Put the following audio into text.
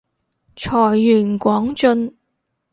財源廣進